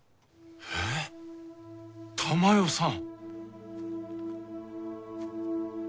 えっ珠世さん？